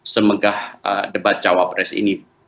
semegah debat cawapres ini